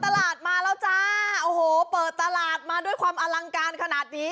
ตลาดมาแล้วจ้าโอ้โหเปิดตลาดมาด้วยความอลังการขนาดนี้